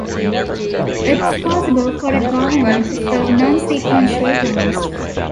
It is possible for a governor to serve non-sequential terms.